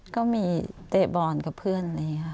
ก็มีเตะบอลกับเพื่อนเลยค่ะ